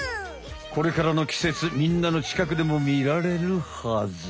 これからのきせつみんなのちかくでもみられるはず。